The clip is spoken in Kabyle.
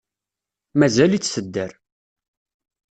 Mazal-itt tedder.